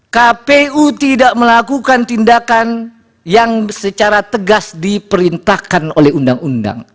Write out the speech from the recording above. kpu tidak melakukan tindakan yang secara tegas diperintahkan oleh undang undang